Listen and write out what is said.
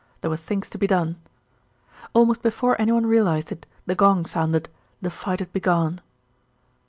There were things to be done. Almost before anyone realised it the gong sounded; the fight had begun.